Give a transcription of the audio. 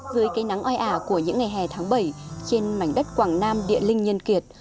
dưới cây nắng oi ả của những ngày hè tháng bảy trên mảnh đất quảng nam địa linh nhân kiệt